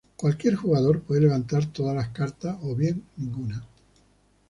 Cualquier jugador puede levantar todas las cartas o bien ninguna.